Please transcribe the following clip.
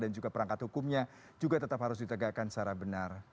dan juga perangkat hukumnya juga tetap harus ditegakkan secara benar